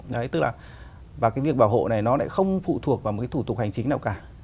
đấy tức là và cái việc bảo hộ này nó lại không phụ thuộc vào một cái thủ tục hành chính nào cả